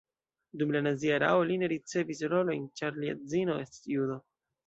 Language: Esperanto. Dum la nazia erao li ne ricevis rolojn, ĉar lia edzino estis judo.